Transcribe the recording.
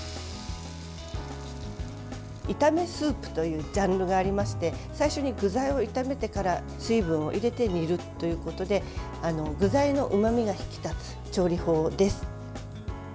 炒めスープというジャンルがありまして最初に具材を炒めてから水分を入れて煮るということで具材のうまみが引き立つ調理法です。